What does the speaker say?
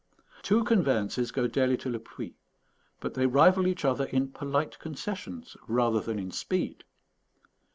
Two conveyances go daily to Le Puy, but they rival each other in polite concessions rather than in speed.